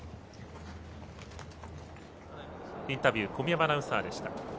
インタビュー小宮山アナウンサーでした。